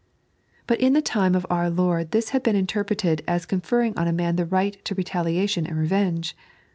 But in the time of our Lord this had been interpreted as con ferring on a man the right to retaliation and revenge.